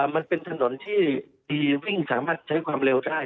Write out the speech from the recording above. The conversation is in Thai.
มันเป็นถนนที่ดีวิ่งสามารถใช้ความเร็วได้